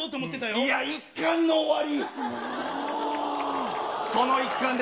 いや、一巻の終わり。